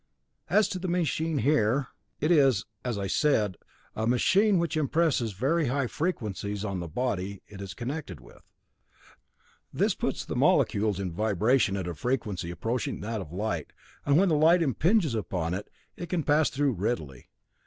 "As to the machine here it is, as I said, a machine which impresses very high frequencies on the body it is connected with. This puts the molecules in vibration at a frequency approaching that of light, and when the light impinges upon it, it can pass through readily.